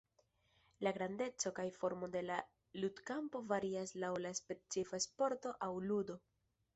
La grandeco kaj formo de la ludkampo varias laŭ la specifa sporto aŭ ludo.